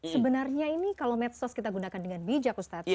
sebenarnya ini kalau medsos kita gunakan dengan bijak ustad